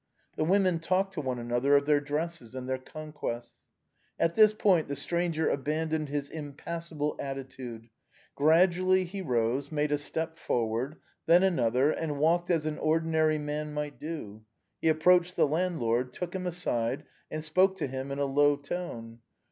The women talked to one another of their dresses and their conquests. At this point the stranger abandoned his impassible atti tude; gradually he rose, made a step forward, then an other, and walked as an ordinary man might do; he ap proached the landlord, took him aside, and spoke to him in a low tone.